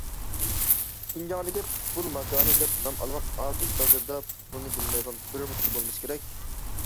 شىنجاڭدىكى پۇتبول ماكانى دەپ نام ئالغان ئاتۇش بازىرىدا پۇتبولنى بىلمەيدىغان بىرمۇ كىشى بولمىسا كېرەك.